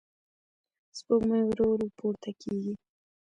سپوږمۍ ورو ورو پورته کېږي.